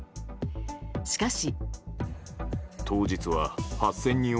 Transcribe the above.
しかし。